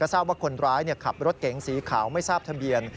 ทราบว่าคนร้ายขับรถเก๋งสีขาวไม่ทราบทะเบียน